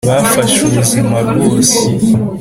bafashe ubuzima rwose.